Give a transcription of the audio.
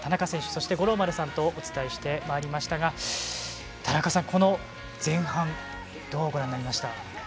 そして、五郎丸さんとお伝えしてまいりましたが田中さん、この前半どうご覧になりました？